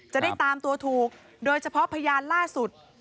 จะได้ตามตัวถูกโดยเฉพาะพยานล่าสุด